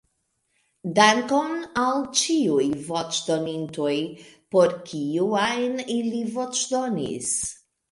Dankon al ĉiuj voĉdonintoj, por kiu ajn ili voĉdonis.